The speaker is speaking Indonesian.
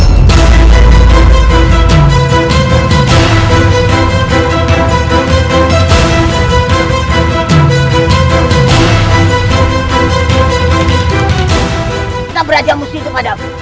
kita beraja musti itu padamu